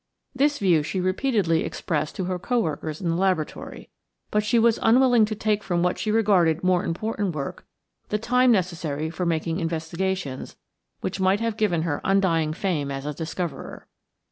This view she repeatedly expressed to her co workers in the laboratory. But she was unwilling to take from what she regarded more important work the time necessary for making investigations which might have given her undying fame as a discoverer.